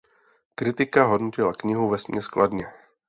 Kritika hodnotila knihu vesměs kladně.